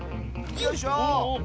よいしょ！